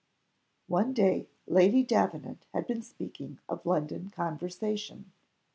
One day Lady Davenant had been speaking of London conversation.